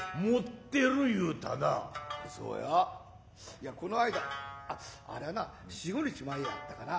いやこの間ありゃな四五日前やったかな